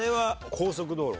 高速道路。